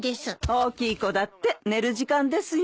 大きい子だって寝る時間ですよ。